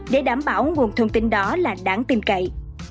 để đảm bảo nguồn thông tin đó là đáng tin cậy